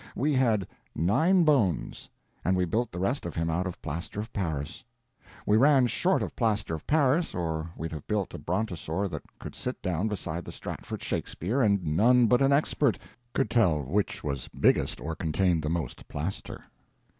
We had nine bones, and we built the rest of him out of plaster of Paris. We ran short of plaster of Paris, or we'd have built a brontosaur that could sit down beside the Stratford Shakespeare and none but an expert could tell which was biggest or contained the most plaster.